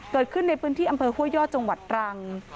เกิดขึ้นในพื้นที่อำเภอห้วยยอดจังหวัดตรัง